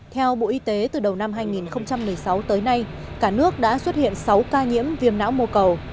theo bộ y tế từ đầu năm hai nghìn một mươi sáu tới nay cả nước đã xuất hiện sáu ca nhiễm viêm não mô cầu